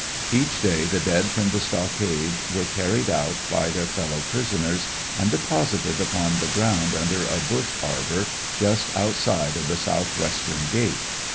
Each day the dead from the stockade were carried out by their fellow prisoners and deposited upon the ground under a bush arbor, just outside of the southwestern gate.